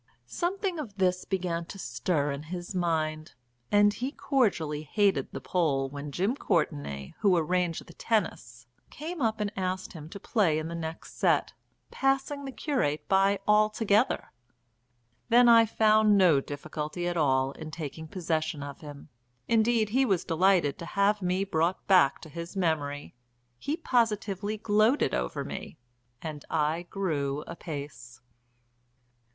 Something of this began to stir in his mind; and he cordially hated the Pole when Jim Courtenay, who arranged the tennis, came up and asked him to play in the next set, passing the curate by altogether. Then I found no difficulty at all in taking possession of him; indeed he was delighted to have me brought back to his memory, he positively gloated over me, and I grew apace.